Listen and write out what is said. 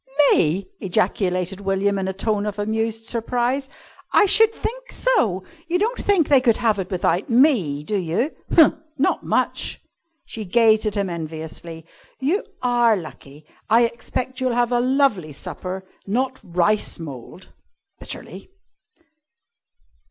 "Me!" ejaculated William in a tone of amused surprise. "I should think so! You don't think they could have it without me, do you? Huh! Not much!" She gazed at him enviously. "You are lucky! I expect you'll have a lovely supper not rice mould," bitterly.